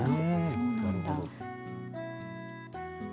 そうなんだ。